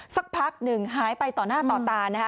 สักพักหนึ่งหายไปต่อหน้าต่อตานะคะ